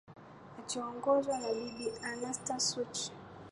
achoongozwa na bi anstan shuchi